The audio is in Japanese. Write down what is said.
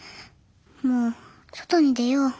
もう外に出よう。